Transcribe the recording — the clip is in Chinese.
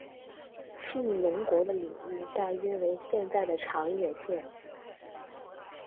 信浓国的领域大约为现在的长野县。